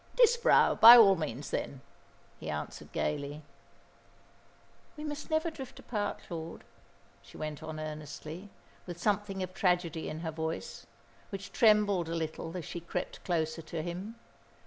"Disbrowe, by all means, then," he answered gaily. "We must never drift apart, Claude," she went on earnestly, with something of tragedy in her voice, which trembled a little as she crept closer to him.